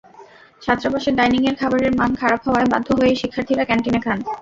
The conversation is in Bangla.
ছাত্রাবাসের ডাইনিংয়ের খাবারের মান খারাপ হওয়ায় বাধ্য হয়েই শিক্ষার্থীরা ক্যানটিনে খান।